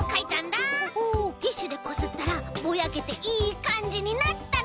ティッシュでこすったらボヤけていいかんじになったの。